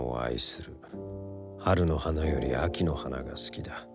春の花より秋の花が好きだ。